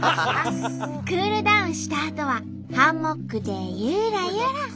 クールダウンしたあとはハンモックでゆらゆら。